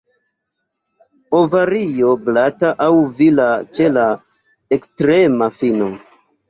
Ovario glata aŭ vila ĉe la ekstrema fino.